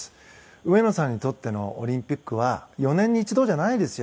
上野さんにとってのオリンピックは４年に一度じゃないですよ。